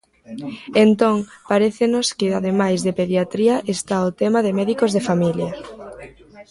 Entón, parécenos que ademais de pediatría está o tema de médicos de familia.